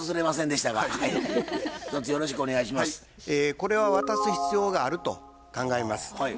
これは渡す必要があると考えます。